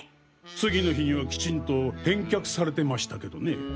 次の日にはきちんと返却されてましたけどね。